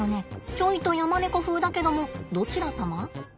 ちょいとヤマネコ風だけどもどちら様？